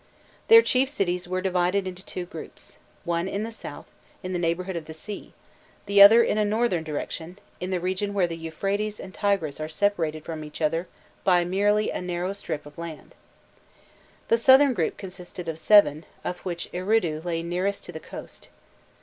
* Their chief cities were divided into two groups: one in the south, in the neighbourhood of the sea; the other in a northern direction, in the region where the Euphrates and Tigris are separated from each other by merely a narrow strip of land. The southern group consisted of seven, of which Eridu lay nearest to the coast.